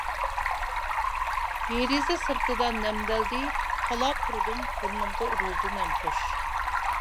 دېرىزە سىرتىدا نەمدەلدى تالا پۇرىدىم. بۇرنۇمغا ئۇرۇلدى نەمخۇش.